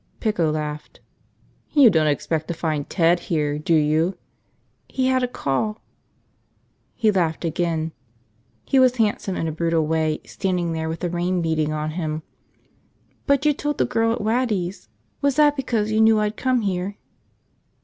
Pico laughed. "You don't expect to find Ted here, do you?" "He had a call. ..." He laughed again. He was handsome in a brutal way, standing there with the rain beating on him. "But you told the girl at Waddy's – was that because you knew I'd come here?"